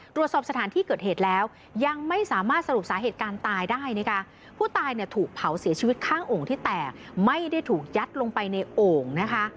ตรวจสอบสถานที่เกิดเหตุแล้วยังไม่สามารถสรุปสาเหตุการตายได้นะคะผู้ตายเนี่ยถูกเผาเสียชีวิตข้างโอ่งที่แตกไม่ได้ถูกยัดลงไปในโอ่งนะคะ